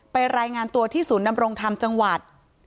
รายงานตัวที่ศูนย์ดำรงธรรมจังหวัด